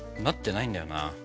なってないんだよな。